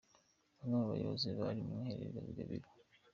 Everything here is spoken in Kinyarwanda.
Bamwe mu bayobozi bari mu mwiherero i Gabiro.